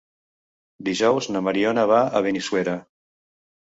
Dijous na Mariona va a Benissuera.